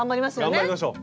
頑張りましょう。